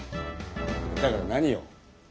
だから何よ？